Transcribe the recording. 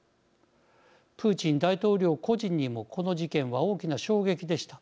プーチン大統領個人にもこの事件は大きな衝撃でした。